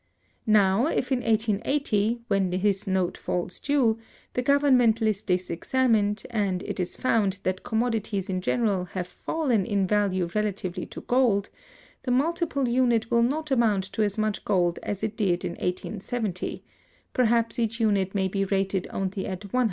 Now, if, in 1880, when his note falls due, the government list is examined, and it is found that commodities in general have fallen in value relatively to gold, the multiple unit will not amount to as much gold as it did in 1870; perhaps each unit may be rated only at $100.